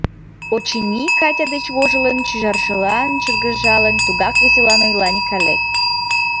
— Очыни, Катя деч вожылын, — шӱжаржылан шыргыжалын, тугак веселан ойла Микале.